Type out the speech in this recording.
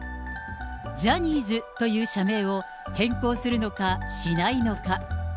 ジャニーズという社名を変更するのかしないのか。